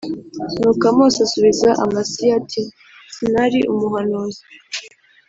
Nuko amosi asubiza amasiya ati sinari umuhanuzi